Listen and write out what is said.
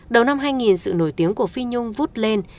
đầu năm hai nghìn sự nổi tiếng của phi nhung vút lên